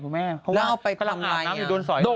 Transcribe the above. เพราะว่ากำลังอาบน้ำอยู่โดนสอย